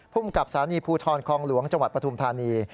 ภูมิกับสถานีภูทรคลองหลวงจังหวัดปฐุมธานี